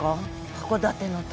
函館の旅。